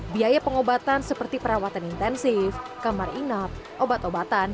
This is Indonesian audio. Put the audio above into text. biaya pengobatan seperti perawatan intensif kamar inap obat obatan